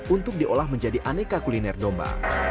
untuk diolah menjadi aneka kuliner domba